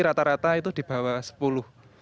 rata rata itu di bawah sepuluh